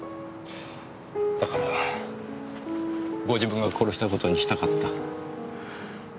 だからご自分が殺した事にしたかった。